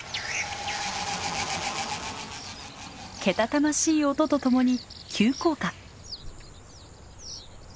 けたたましい音とともに急降下！